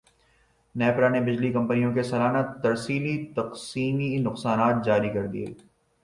نیپرا نے بجلی کمپنیوں کے سالانہ ترسیلی تقسیمی نقصانات جاری کردیئے